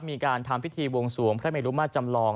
มีการทำพิธีวงสวงพระเมรุมาตรจำลอง